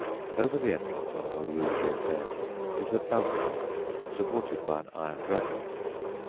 Over the entrance on the Rue de Rennes is a balcony, supported by an iron dragon.